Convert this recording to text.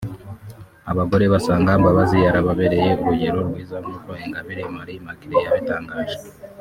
abagore basanga Mbabazi yarababereye urugero rwiza nk’uko Ingabire Marie Immaculée yabitangaje